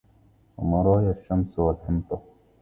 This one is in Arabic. ومرايا الشمس والحنطة